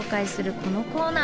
このコーナー！